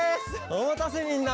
おまたせみんな！